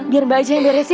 biar mbak aja yang beresin